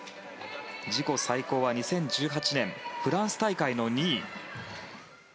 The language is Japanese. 自己最高は２０１８年フランス大会の２位。